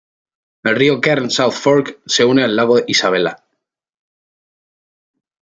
El río Kern South Fork se une al lago Isabella.